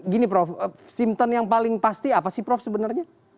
gini prof simpton yang paling pasti apa sih prof sebenarnya